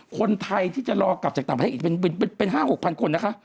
คนไทยที่จะรอกลับจากต่างประเทศอีกเป็น๕๖๐๐คนนะคะ